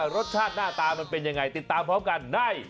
รสชาติหน้าตามันเป็นยังไงติดตามพร้อมกันใน